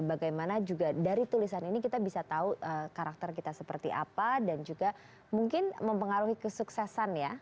bagaimana juga dari tulisan ini kita bisa tahu karakter kita seperti apa dan juga mungkin mempengaruhi kesuksesan ya